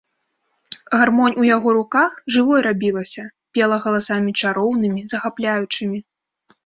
Гармонь у яго руках жывой рабілася, пела галасамі чароўнымі, захапляючымі.